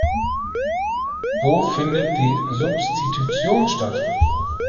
Wo findet die Substitution statt?